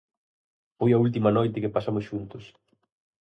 Foi a última noite que pasamos xuntos.